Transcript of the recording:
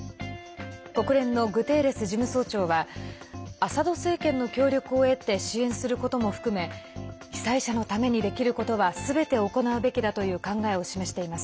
国連のグテーレス事務総長はアサド政権の協力を得て支援することも含め被災者のためにできることはすべて行うべきだという考えを示しています。